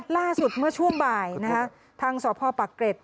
ล่าสุดเมื่อช่วงบ่ายทางสภปะเกร็ด